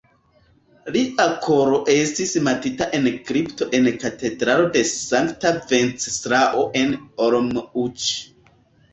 Lia koro estas metita en kripto en Katedralo de sankta Venceslao en Olomouc.